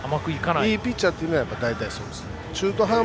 いいピッチャーっていうのは大体そうですね。